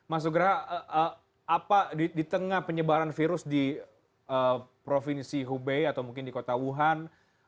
mas nugra apa di tengah penyebaran virus di provinsi hubei atau mungkin di kota wuhan